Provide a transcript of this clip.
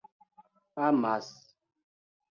amas